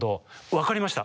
分かりました。